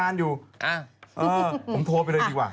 คุณหนุ่มรายการอยู่ผมโทรไปเลยดีกว่า